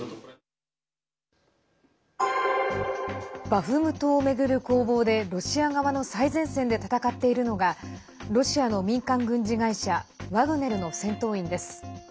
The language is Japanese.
バフムトを巡る攻防でロシア側の最前線で戦っているのがロシアの民間軍事会社ワグネルの戦闘員です。